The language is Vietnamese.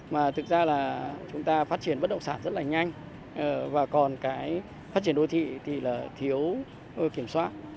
mà thực ra là chúng ta phát triển bất động sản rất là nhanh và còn cái phát triển đô thị thì là thiếu kiểm soát